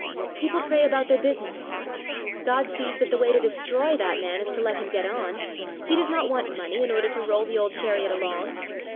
People pray about their business. God sees that the way to destroy that man is to let him get on. He does not want money in order to roll the old chariot along.